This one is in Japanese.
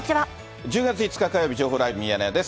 １０月５日火曜日、情報ライブミヤネ屋です。